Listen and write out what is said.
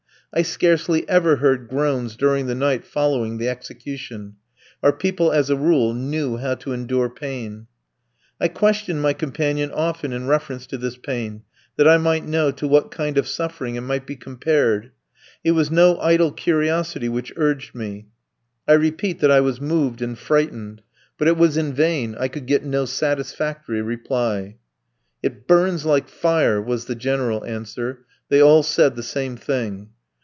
I scarcely ever heard groans during the night following the execution; our people, as a rule, knew how to endure pain. I questioned my companion often in reference to this pain, that I might know to what kind of suffering it might be compared. It was no idle curiosity which urged me. I repeat that I was moved and frightened; but it was in vain, I could get no satisfactory reply. "It burns like fire!" was the general answer; they all said the same thing.